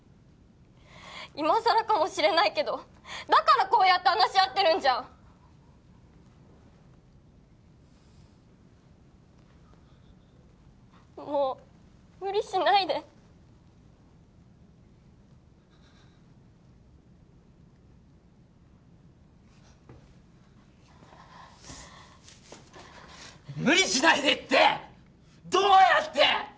今さらかもしれないけどだからこうやって話し合ってるんじゃんもう無理しないで無理しないでってどうやって！？